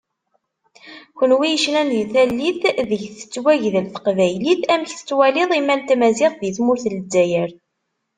Kunwi yecnan di tallit ideg tettwagdel teqbaylit, amek tettwaliḍ imal n tmaziɣt di tmurt n Lezzayer?